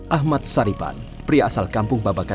ahmad saripan pria asal kampung babakan